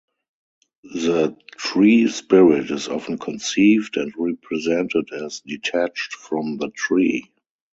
The tree-spirit is often conceived and represented as detached from the tree.